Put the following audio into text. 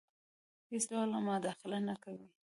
هیڅ ډول مداخله نه کوي.